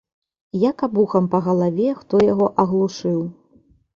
Як абухам па галаве хто яго аглушыў.